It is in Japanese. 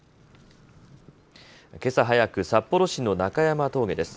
けさ早く、札幌市の中山峠です。